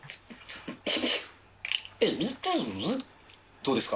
どうですか？